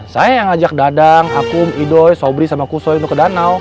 saya yang ngajak dadang akum idoi sobri sama kusoy untuk ke danau